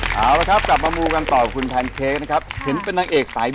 เอ้าล่ะครับกลับมามู่กันต่อคุณแพนเค้กนะครับ